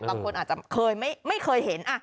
บางคนอาจจะไม่เคยเห็น